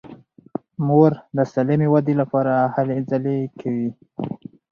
مور د سالمې ودې لپاره هلې ځلې کوي.